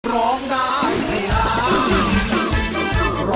ร้องได้ให้ล้าน